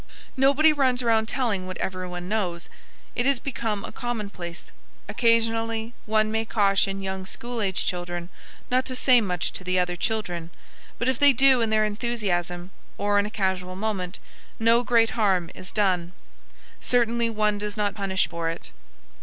Nobody runs around telling what everyone knows. It has become a commonplace. Occasionally one may caution young school age children not to say much to the other children, but if they do in their enthusiasm or in a casual moment, no great harm is done. Certainly one does not punish for it.